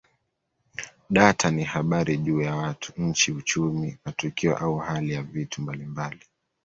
Data ni habari juu ya watu, nchi, uchumi, matukio au hali ya vitu mbalimbali.